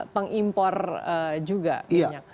pengimpor juga minyak